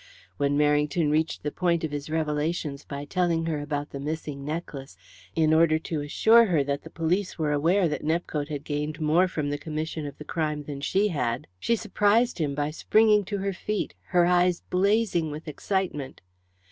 When Merrington reached the point of his revelations by telling her about the missing necklace in order to assure her that the police were aware that Nepcote had gained more from the commission of the crime than she had, she surprised him by springing to her feet, her eyes blazing with excitement.